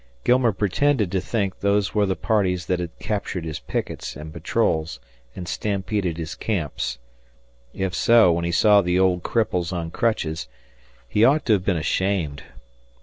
Gilmer pretended to think these were the parties that had captured his pickets and patrols and stampeded his camps. If so, when he saw the old cripples on crutches, he ought to have been ashamed.